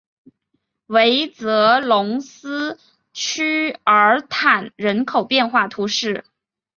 韦泽龙斯屈尔坦人口变化图示